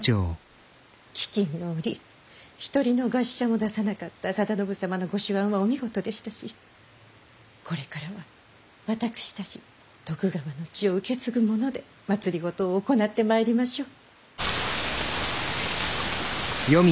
飢きんの折一人の餓死者も出さなかった定信様のご手腕はお見事でしたしこれからは私たち徳川の血を受け継ぐ者で政を行ってまいりましょう。